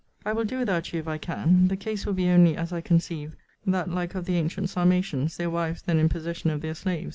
I will do without you, if I can. The case will be only, as I conceive, that like of the ancient Sarmatians, their wives then in possession of their slaves.